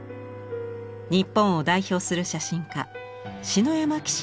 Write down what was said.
日本を代表する写真家篠山紀信